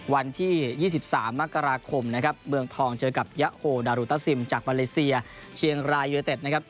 วันที่๒๓มกราคมนะครับเมืองทองเจอกับยะโฮดารุตาซิมจากมาเลเซียเชียงรายยูเนเต็ดนะครับ